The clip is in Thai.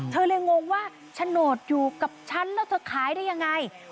เธอเลยงงว่าโฉนดอยู่กับฉันแล้วเธอขายได้ยังไง